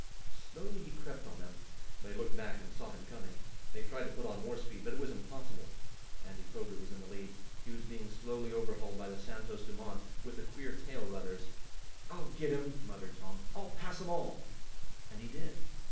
Slowly he crept on them. They looked back and saw him coming. They tried to put on more speed, but it was impossible. Andy Foger was in the lead. He was being slowly overhauled by the Santos Dumont, with the queer tail rudders. "I'll get him!" muttered Tom. "I'll pass 'em all!" And he did.